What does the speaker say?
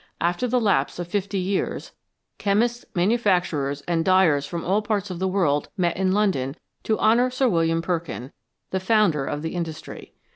After the lapse of fifty years, chemists, manufacturers, and dyers from all parts of the world met in London to honour Sir William Perkin, the founder of the industry.